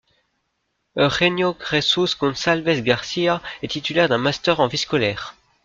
Eugenio Jesús Gonzálvez García est titulaire d'un master en vie scolaire.